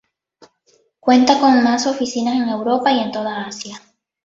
Cuenta con más oficinas en Europa y en toda Asia.